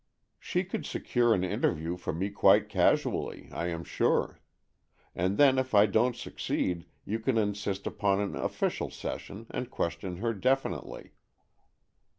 "She could secure an interview for me quite casually, I am sure. And then, if I don't succeed, you can insist upon an official session, and question her definitely."